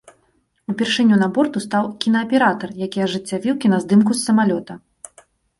Упершыню на борт устаў кінааператар, які ажыццявіў кіназдымку з самалёта.